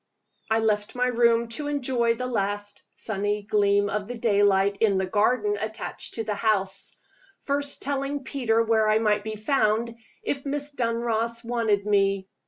I left my room to enjoy the last sunny gleam of the daylight in the garden attached to the house; first telling Peter where I might be found, if Miss Dunross wanted me.